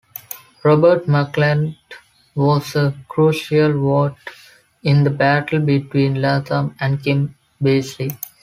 Robert McClelland was a crucial vote in the battle between Latham and Kim Beazley.